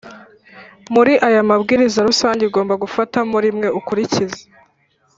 muri aya mabwiriza rusange ugomba gufatamo rimwe ukurikiza